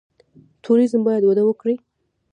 توریزم باید وده وکړي